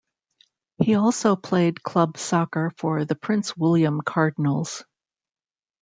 He also played club soccer for the Prince William Cardinals.